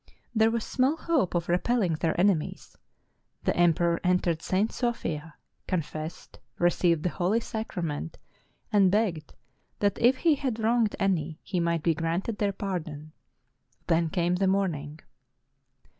There was small hope of repelling their enemies. The emperor en tered St. Sophia, confessed, received the Holy Sacrament, and begged that if he had wronged any, he might be granted their pardon. Then came the morning.